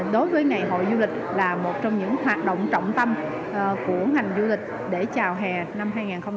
đối với ngày hội du lịch là một trong những hoạt động trọng tâm của ngành du lịch để chào hè năm hai nghìn hai mươi bốn